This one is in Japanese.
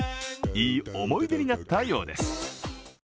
いい思い出になったようです。